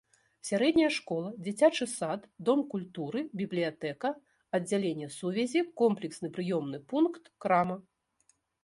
Сярэдняя школа, дзіцячы сад, дом культуры, бібліятэка, аддзяленне сувязі, комплексны прыёмны пункт, крама.